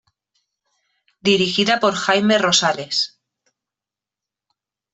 Dirigida por Jaime Rosales.